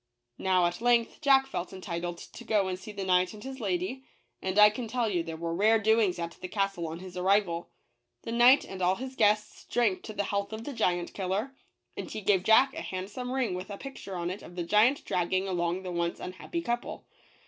Now, at length, Jack felt entitled to go and see the knight and his lady — and I can tell you there were rare doings at the castle on his ar rival. The knight and all his guests drank to the health of the Giant Killer; and he gave Jack a handsome ring with a picture on it of the giant dragging along the once un v/.JA happy couple.